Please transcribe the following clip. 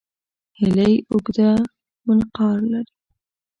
هیلۍ اوږده منقار لري